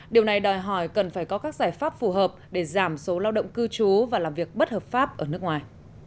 điều này đòi hỏi cần phải có các giải pháp phù hợp để giảm số lao động cư trú và làm việc bất hợp pháp ở nước ngoài